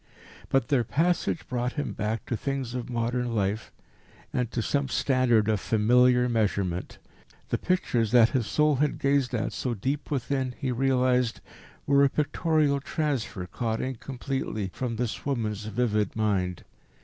But their passage brought him back to things of modern life, and to some standard of familiar measurement. The pictures that his soul had gazed at so deep within, he realised, were a pictorial transfer caught incompletely from this woman's vivid mind.